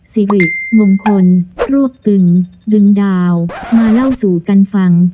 สิริมงคลรวบตึงดึงดาวมาเล่าสู่กันฟัง